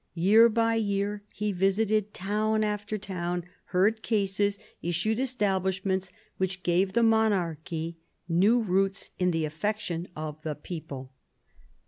Year by year he visited town after town, heard cases, issued establishments, which gave the monarchy new roots in the affection of the people.